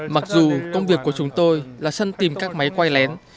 mặc dù công việc của chúng tôi là săn tìm các máy quay lén